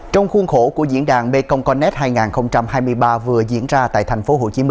trong khuôn khổ của diễn đàn mekong connect hai nghìn hai mươi ba vừa diễn ra tại tp hcm